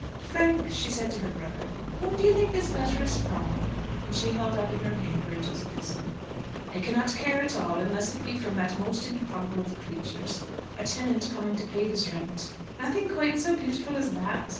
"Frank," she said to her brother, "whom do you think this letter is from?" and she held up in her hand Rachel's epistle. "I care not at all, unless it be from that most improbable of all creatures, a tenant coming to pay his rent." "Nothing quite so beautiful as that."